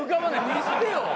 見せてよ！